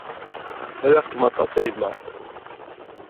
Riɣ-kem aṭas a yemma!